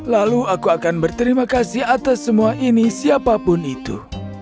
lalu aku akan berterima kasih atas semua ini siapapun itu